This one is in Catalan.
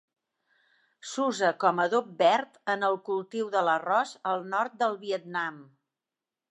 S'usa com adob verd en el cultiu de l'arròs al nord del Vietnam.